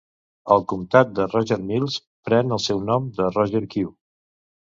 El comtat de Roger Mills pren el seu nom de Roger Q.